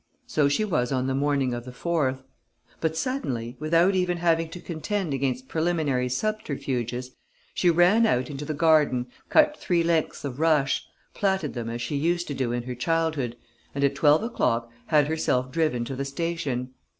So she was on the morning of the 4th; but suddenly, without even having to contend against preliminary subterfuges, she ran out into the garden, cut three lengths of rush, plaited them as she used to do in her childhood and at twelve o'clock had herself driven to the station.